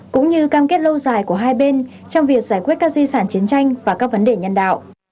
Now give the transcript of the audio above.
cũng như cam kết lâu dài của hai bên trong việc giải quyết các di sản chiến tranh và các vấn đề nhân đạo